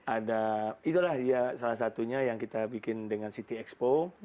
ada itulah dia salah satunya yang kita bikin dengan city expo